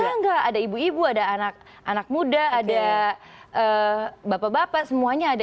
enggak ada ibu ibu ada anak muda ada bapak bapak semuanya ada